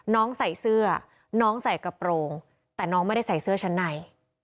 น้องใส่เสื้อน้องใส่กระโปรงแต่น้องไม่ได้ใส่เสื้อชั้นใน